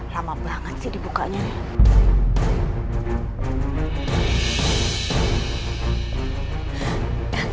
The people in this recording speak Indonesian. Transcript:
lama banget sih dibukanya